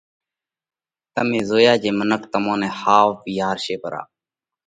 تمي زويا جي منک تمون نئہ ۿاوَ وِيهارشي پرا۔